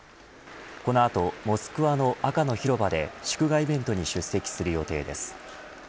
この後、モスクワの赤の広場で祝賀イベントに出席する予定です。